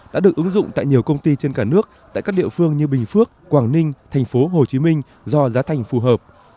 và được ứng dụng tại nhiều công ty trên cả nước tại các địa phương như bình phước quảng ninh thành phố hồ chí minh do giá thành phù hợp